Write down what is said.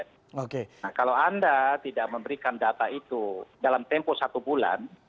nah kalau anda tidak memberikan data itu dalam tempo satu bulan